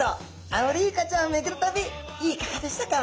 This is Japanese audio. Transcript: アオリイカちゃんをめぐる旅いかがでしたか？